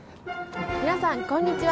皆さんこんにちは。